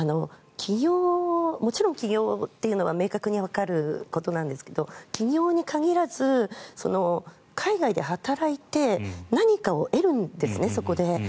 もちろん起業というのは明確にわかることですが起業に限らず、海外で働いて何かを得るんですね、そこで。